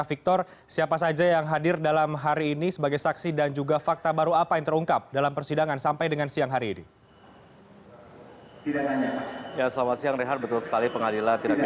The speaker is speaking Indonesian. victor siapa saja yang hadir dalam hari ini sebagai saksi dan juga fakta baru apa yang terungkap dalam persidangan sampai dengan siang hari ini